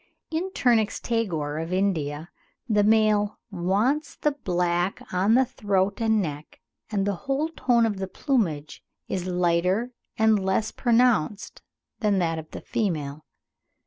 In Turnix taigoor of India the male "wants the black on the throat and neck, and the whole tone of the plumage is lighter and less pronounced than that of the female."